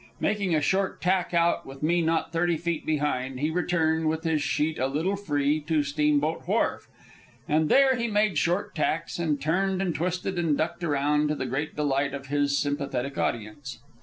Making a short tack out, with me not thirty feet behind, he returned, with his sheet a little free, to Steamboat Wharf. And there he made short tacks, and turned and twisted and ducked around, to the great delight of his sympathetic audience.